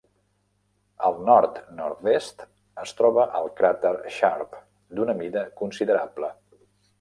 Al nord-nord-est es troba el cràter Sharp d'una mida considerable.